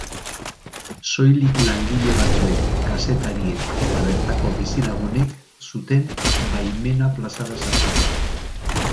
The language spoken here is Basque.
Soilik langile batzuek, kazetariek eta bertako bizilagunek zuten baimena plazara sartzeko.